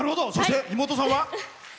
そして、妹さんは？